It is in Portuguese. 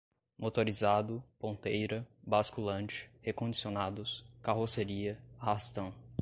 motorizado, ponteira, basculante, recondicionados, carroceria, arrastão